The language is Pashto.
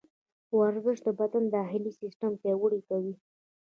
ورزش د بدن داخلي سیسټم پیاوړی کوي.